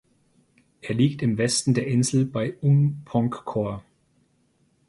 Er liegt im Westen der Insel bei Unpongkor.